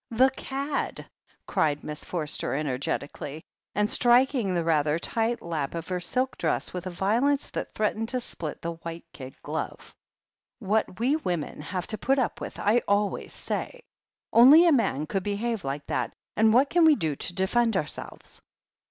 "The cad!" cried Miss Forster energetically, and THE HEEL OF ACHILLES 183 striking the rather tight lap of her silk dress with a violence that threatened to split the white kid glove. "What we women have to put up with, I always say! Only a man could behave like that, and what can we do to defend ourselves